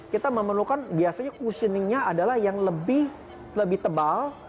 kita memerlukan biasanya questioningnya adalah yang lebih tebal